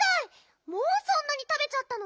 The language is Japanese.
もうそんなにたべちゃったの？